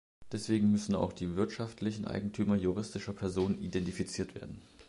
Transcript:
Deswegen müssen auch die wirtschaftlichen Eigentümer juristischer Personen identifiziert werden.